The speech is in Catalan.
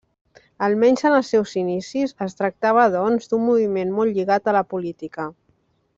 Almenys en els seus inicis, es tractava, doncs, d'un moviment molt lligat a la política.